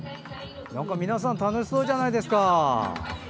皆さん楽しそうじゃないですか。